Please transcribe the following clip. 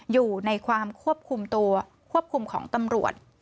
อยู่ในความควบคุมตัวควบคุมของตำรวจ